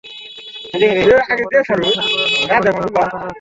ইদানীং অনেকের মধ্যে সেই বিস্তৃত পরিবারের সঙ্গে যোগাযোগ করার প্রবণতা দেখা যাচ্ছে।